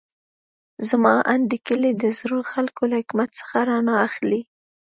زما اند د کلي د زړو خلکو له حکمت څخه رڼا اخلي.